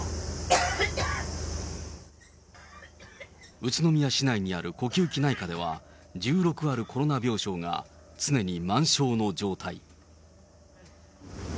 宇都宮市内にある呼吸器内科では、１６あるコロナ病床が常に満床の状態。